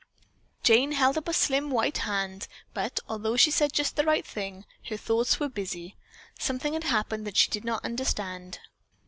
Jane held out a slim white hand, but, although she said just the right thing, her thoughts were busy. Something had happened that she did not understand.